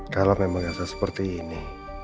kalau memang ada seperti ini